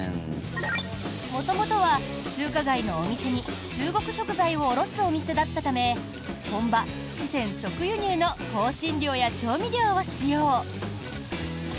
元々は中華街のお店に中国食材を卸すお店だったため本場、四川直輸入の香辛料や調味料を使用。